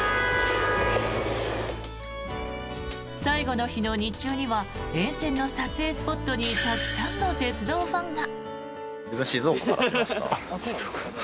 最後の日の日中には沿線の撮影スポットにたくさんの鉄道ファンが。